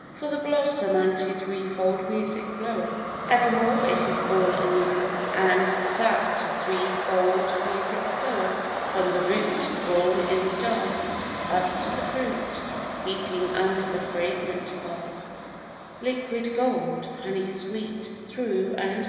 For the blossom unto three fold music bloweth; Evermore it is born anew; And the sap to three fold music floweth, From the root Drawn in the dark, Up to the fruit, Creeping under the fragrant bark, Liquid gold, honeysweet thro' and thro'.